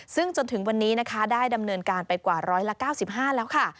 ซึ่งจนถึงวันนี้นะคะได้ดำเนินการไปกว่า๑๙๕แล้วค่ะ